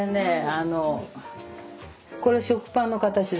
あのこれ食パンの形です。